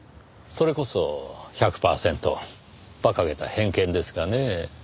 それこそ１００パーセント馬鹿げた偏見ですがねぇ。